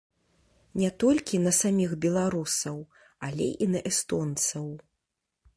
Не толькі на саміх беларусаў, але і на эстонцаў.